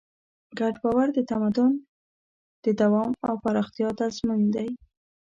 ګډ باور د تمدن د دوام او پراختیا تضمین دی.